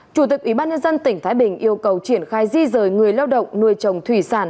chủ tịch ủy ban nhân dân tỉnh thái bình yêu cầu triển khai di rời người lao động nuôi trồng thủy sản